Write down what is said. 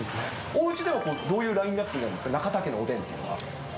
おうちではどういうラインナップなんですか、中田家のおでんっていうのは。